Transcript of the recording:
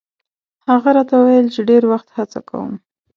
هغه راته ویل چې ډېر وخت هڅه کوم.